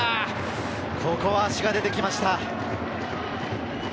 ここは足が出てきました。